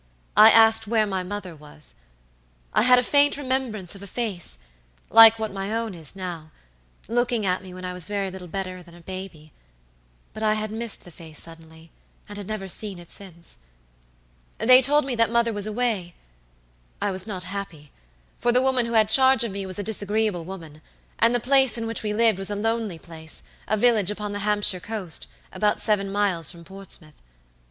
I asked where my mother was. I had a faint remembrance of a face, like what my own is now, looking at me when I was very little better than a baby; but I had missed the face suddenly, and had never seen it since. They told me that mother was away. I was not happy, for the woman who had charge of me was a disagreeable woman and the place in which we lived was a lonely place, a village upon the Hampshire coast, about seven miles from Portsmouth.